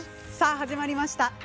さあ始まりました！